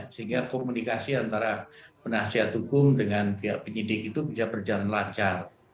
sehingga komunikasi antara penasihat hukum dengan pihak penyidik itu bisa berjalan lancar